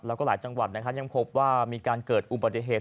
แล้วก็หลายจังหวัดนะครับยังพบว่ามีการเกิดอุบัติเหตุ